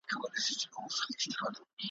چي آسانه پر دې ښځي سي دردونه `